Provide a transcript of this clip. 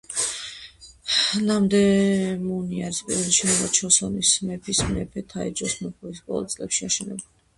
ნამდემუნი არის პირველი შენობა ჩოსონის მეფის მეფე თაეჯოს მეფობის ბოლო წლებში აშენებული.